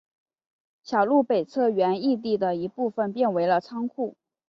小路北侧原义地的一部分变成了仓库。